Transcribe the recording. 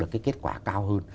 cái kết quả cao hơn